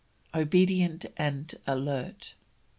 OBEDIENT AND ALERT.